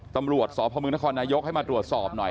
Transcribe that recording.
ตำรวจสพมนครนายกให้มาตรวจสอบหน่อย